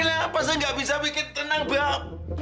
kenapa sih gak bisa bikin tenang bap